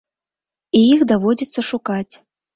І іх даводзіцца шукаць.